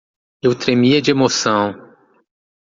Eu tremia de emoção